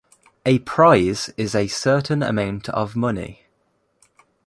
A prize is a certain amount of money.